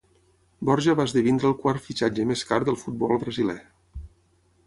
Borja va esdevenir el quart fitxatge més car del futbol brasiler.